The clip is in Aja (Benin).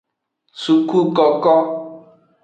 Sukukoko.